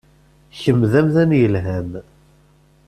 Kemm d amdan yelhan.